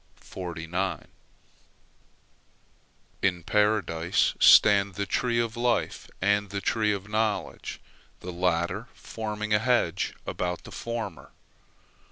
In Paradise stand the tree of life and the tree of knowledge, the latter forming a hedge about the former.